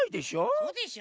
そうでしょ？